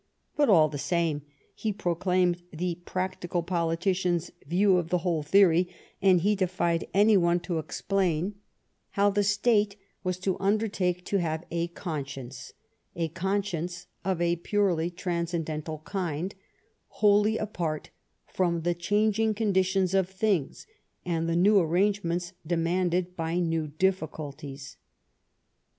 But, all the same, he pro claimed the practical politician's view of the whole theory, and he defied any one to explain how the 68 THE STORY OF GLADSTONE'S LIFE State was to undertake to have a conscience, a con science of a purely transcendental kind, wholly apart from the changing condition of things and the new arrangements demanded by new difficul ties.